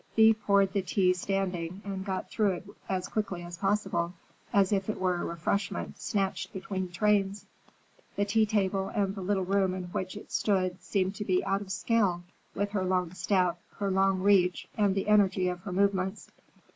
Thea poured the tea standing and got through with it as quickly as possible, as if it were a refreshment snatched between trains. The tea table and the little room in which it stood seemed to be out of scale with her long step, her long reach, and the energy of her movements.